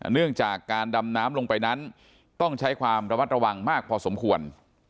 เนื่องจากการดำน้ำลงไปนั้นต้องใช้ความระมัดระวังมากพอสมควร